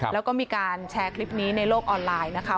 แล้วก็มีการแชร์คลิปนี้ในโลกออนไลน์นะคะ